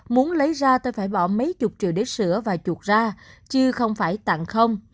muốn lấy ra tôi phải bỏ mấy chục triệu để sửa và chuột ra chứ không phải tặng không